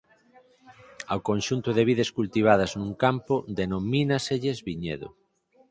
Ao conxunto de vides cultivadas nun campo denomínaselles viñedo.